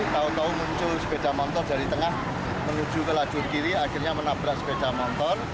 tahu tahu muncul sepeda motor dari tengah menuju ke lajur kiri akhirnya menabrak sepeda motor